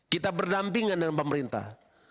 kita berdampingan dengan pemerintah